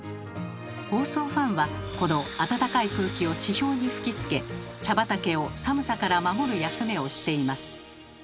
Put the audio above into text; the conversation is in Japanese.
防霜ファンはこの暖かい空気を地表に吹きつけ茶畑を寒さから守る役目をしています。